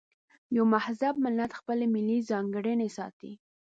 یو مهذب ملت خپلې ملي ځانګړنې ساتي.